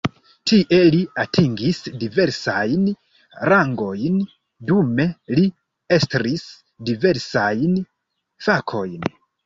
Tie li atingis diversajn rangojn, dume li estris diversajn fakojn.